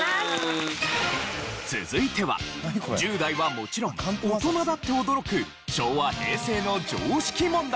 続いては１０代はもちろん大人だって驚く昭和・平成の常識問題。